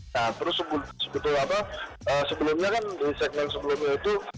nah terus sebetulnya kan di segmen sebelumnya itu